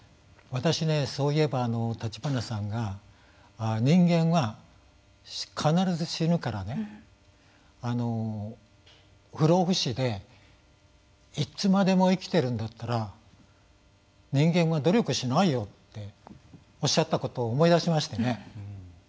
私ね、そういえば立花さんが人間は必ず死ぬからね不老不死でいつまでも生きてるんだったら人間は努力しないよっておっしゃったことを思い出しましてね。